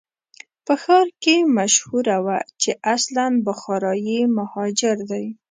په ښار کې مشهوره وه چې اصلاً بخارایي مهاجر دی.